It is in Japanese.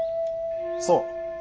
そう。